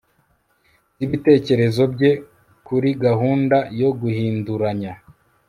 zibitekerezo bye kuri gahunda yo guhinduranya